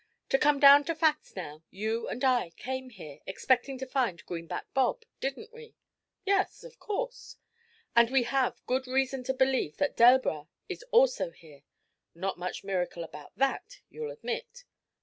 To come down to facts, now, you and I came here expecting to find Greenback Bob, didn't we?' 'Yes, of course.' 'And we have good reason to believe that Delbras is also here. Not much miracle about that, you'll admit.'